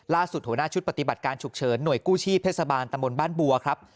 ล่าสุดหัวหน้าชุดปฏิบัติการฉุกเฉินหน่วยกู้ชีพเทศบาลตะมนต์บ้านบัวครับ